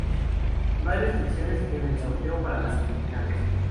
No hay restricciones en el sorteo para las semifinales.